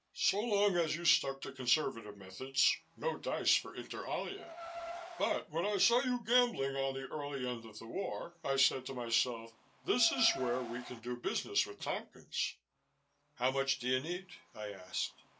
So long as you stuck to conservative methods, no dice for Inter Alia, but when I saw you gambling on the early end of the war, I said to myself, this is where we can do business with Tompkins." "How much do you need?" I asked.